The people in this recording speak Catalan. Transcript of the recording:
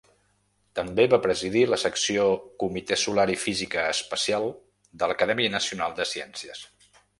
També va presidir la secció Comitè Solar i Física Espacial de l'Acadèmia Nacional de Ciències.